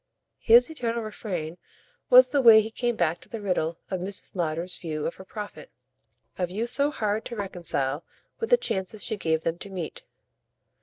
His eternal refrain was the way he came back to the riddle of Mrs. Lowder's view of her profit a view so hard to reconcile with the chances she gave them to meet.